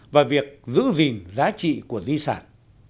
và việc giữ gìn giá trị của di sản